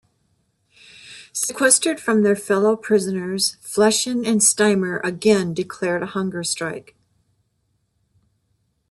Sequestered from their fellow prisoners, Fleshin and Steimer again declared a hunger strike.